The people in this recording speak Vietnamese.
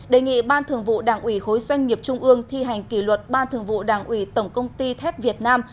đề nghị ban thường vụ đảng ủy khối doanh nghiệp trung ương thi hành kỷ luật ban thường vụ đảng ủy tổng công ty thép việt nam